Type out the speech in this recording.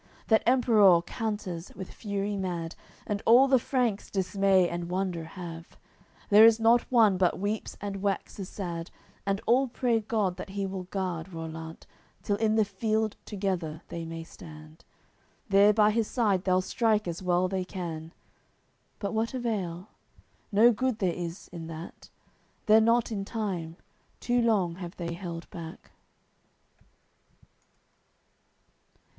That Emperour canters with fury mad, And all the Franks dismay and wonder have; There is not one but weeps and waxes sad And all pray God that He will guard Rollant Till in the field together they may stand; There by his side they'll strike as well they can. But what avail? No good there is in that; They're not in time; too long have they held back.